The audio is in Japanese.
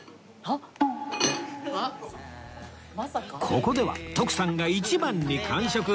ここでは徳さんが一番に完食！